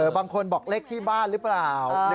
บางคนบอกเลขที่บ้านหรือเปล่า๑๒๑นะฮะ